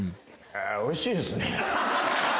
ああおいしいですね。